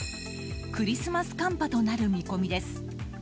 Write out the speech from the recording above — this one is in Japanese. クリスマス寒波となる見込みです。